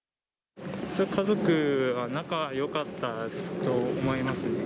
家族は仲よかったと思いますね。